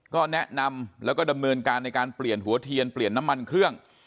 ก็แนะนำแล้วก็ดำเนินการในการเปลี่ยนหัวเทียนเปลี่ยนน้ำมันเครื่อง